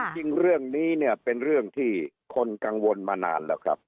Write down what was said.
จริงเรื่องนี้เนี่ยเป็นเรื่องที่คนกังวลมานานแล้วครับ